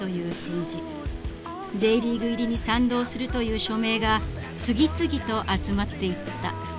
Ｊリーグ入りに賛同するという署名が次々と集まっていった。